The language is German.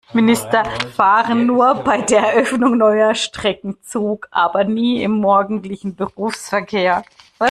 Minister fahren nur bei der Eröffnung neuer Strecken Zug, aber nie im morgendlichen Berufsverkehr.